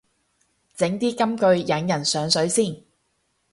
整啲金句引人上水先